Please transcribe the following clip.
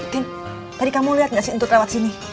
tin tadi kamu liat gak si entut lewat sini